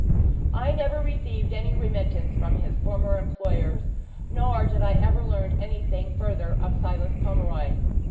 I never received any remittance from his former employers, nor did I ever learn anything further of Silas Pomeroy.